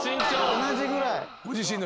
同じぐらい。